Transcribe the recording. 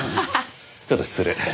ちょっと失礼。